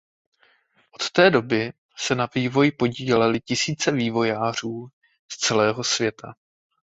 Od té doby se na vývoji podílely tisíce vývojářů z celého světa.